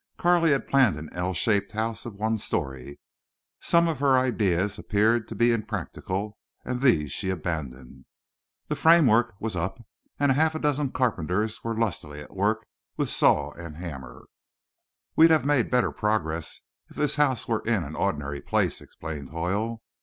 Carley had planned an L shaped house of one story. Some of her ideas appeared to be impractical, and these she abandoned. The framework was up and half a dozen carpenters were lustily at work with saw and hammer. "We'd made better progress if this house was in an ordinary place," explained Hoyle.